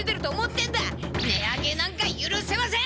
値上げなんかゆるせません！